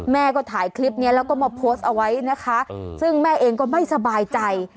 แม่ก็ถ่ายคลิปนี้แล้วก็มาโพสต์เอาไว้นะคะซึ่งแม่เองก็ไม่สบายใจ